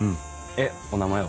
えっお名前は？